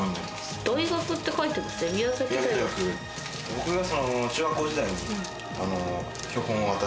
僕が。